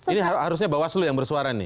ini harusnya bawaslu yang bersuara ini